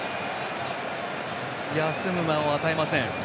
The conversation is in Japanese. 休む間を与えません。